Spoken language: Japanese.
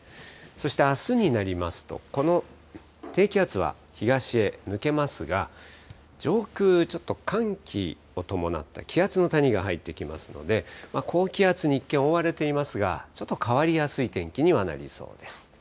そしてあすになりますと、この低気圧は東へ抜けますが、上空、ちょっと寒気を伴った、気圧の谷が入ってきますので、高気圧に一見、覆われていますが、ちょっと変わりやすい天気にはなりそうです。